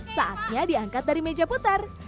saatnya diangkat dari meja putar